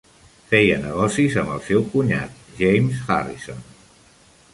Feia negocis amb el seu cunyat, James Harrison.